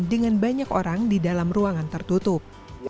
dengan banyak orang di dalam ruangan tertutup